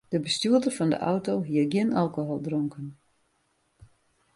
De bestjoerder fan de auto hie gjin alkohol dronken.